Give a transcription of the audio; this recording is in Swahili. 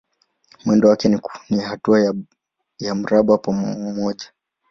Mwendo wake ni hatua ya mraba mmoja.